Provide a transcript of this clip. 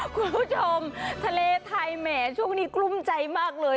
คุณผู้ชมทะเลไทยแหมช่วงนี้กลุ้มใจมากเลย